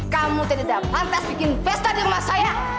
kamu tidak pantas bikin pesta di rumah saya